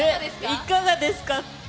いかがですか。